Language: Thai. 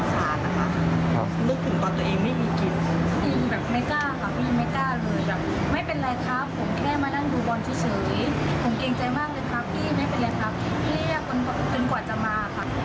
จนกว่าจะมาค่ะ